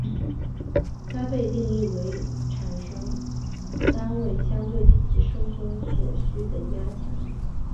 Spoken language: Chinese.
它被定义为产生单位相对体积收缩所需的压强。